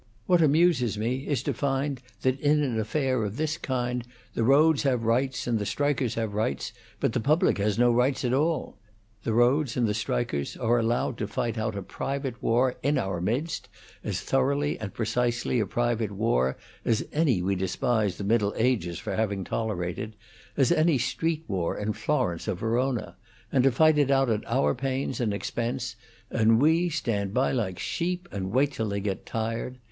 What amuses me is to find that in an affair of this kind the roads have rights and the strikers have rights, but the public has no rights at all. The roads and the strikers are allowed to fight out a private war in our midst as thoroughly and precisely a private war as any we despise the Middle Ages for having tolerated as any street war in Florence or Verona and to fight it out at our pains and expense, and we stand by like sheep and wait till they get tired.